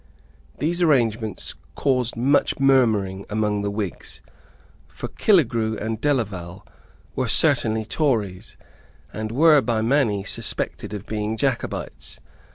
These arrangements caused much murmuring among the Whigs; for Killegrew and Delaval were certainly Tories, and were by many suspected of being Jacobites.